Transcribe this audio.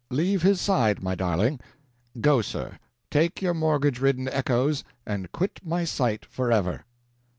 Leave his side, my darling; go, sir, take your mortgage ridden echoes and quit my sight forever."